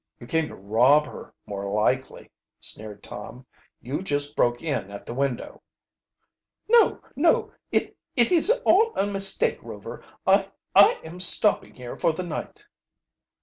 "You came to rob her, more likely," sneered Tom. "You just broke in at the window." "No, no it it is all a mistake, Rover. I I am stopping here for the night."